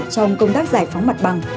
trong công tác giải phóng mặt bằng